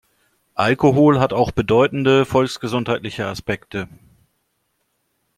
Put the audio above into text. Alkohol hat auch bedeutende volksgesundheitliche Aspekte.